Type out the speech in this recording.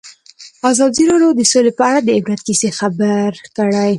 ازادي راډیو د سوله په اړه د عبرت کیسې خبر کړي.